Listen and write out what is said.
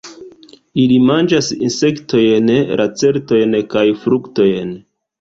Ili manĝas insektojn, lacertojn kaj fruktojn.